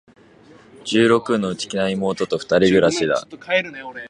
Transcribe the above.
十六の、内気な妹と二人暮しだ。